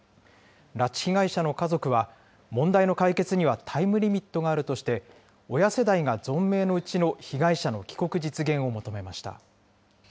拉致被害者の家族は、問題の解決にはタイムリミットがあるとして、親世代が存命のうちの被害者の帰国実現を求めました。